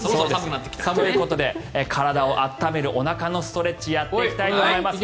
ということで、体を温めるおなかのストレッチをやっていきたいと思います。